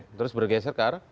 terus bergeser ke arah